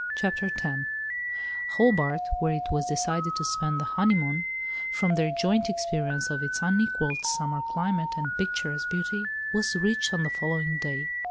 CHAPTER X HOBART, where it was decided to spend the honeymoon, from their joint experience of its unequalled summer climate, and picturesque beauty, was reached on the following day.